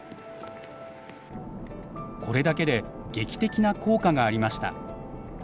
これだけで劇的な効果がありました。